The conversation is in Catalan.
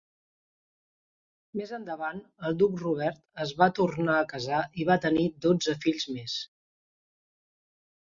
Més endavant, el duc Robert es va tornar a casar i va tenir dotze fills més.